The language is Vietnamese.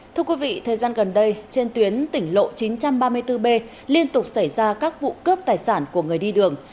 thưa quý vị thời gian gần đây trên tuyến tỉnh lộ chín trăm ba mươi bốn b liên tục xảy ra các vụ cướp tài sản của người đi đường